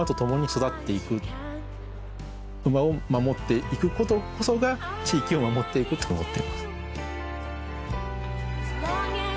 馬を守って行くことこそが地域を守って行くって思っています。